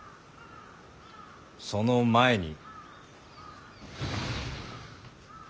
その前に。